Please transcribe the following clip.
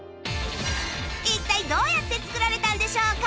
一体どうやって作られたんでしょうか？